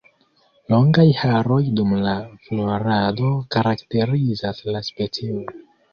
Longaj haroj dum la florado karakterizas la specion.